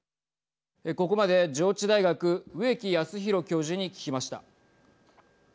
ここまで上智大学植木安弘教授に聞きました。